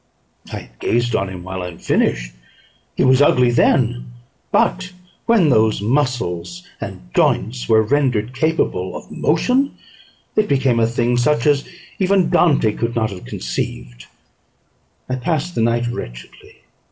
I had gazed on him while unfinished; he was ugly then; but when those muscles and joints were rendered capable of motion, it became a thing such as even Dante could not have conceived. I passed the night wretchedly.